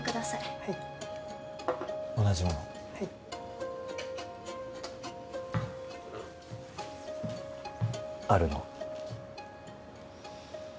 はい同じものをはいあるの？